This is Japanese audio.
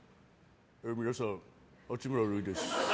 皆さん、八村塁です。